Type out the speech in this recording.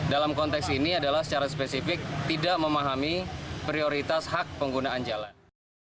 dalam konteks ini adalah secara spesifik tidak memahami prioritas hak penggunaan jalan